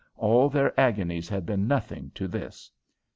All their agonies had been nothing to this.